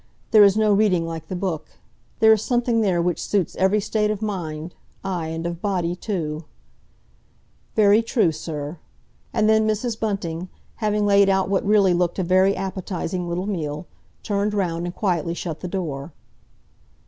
There is no reading like the Book. There is something there which suits every state of mind, aye, and of body too—" "Very true, sir." And then Mrs. Bunting, having laid out what really looked a very appetising little meal, turned round and quietly shut the door.